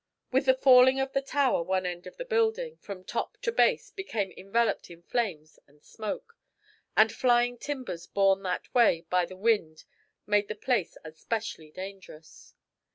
With the falling of the tower one end of the building, from top to base, became enveloped in flames and smoke, and flying timbers borne that way by the wind made the place especially dangerous.